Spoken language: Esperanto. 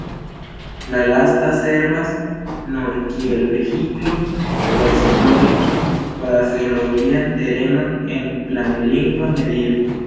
La lasta servas nur kiel vehiklo por esplori frazeologian terenon en planlingva medio.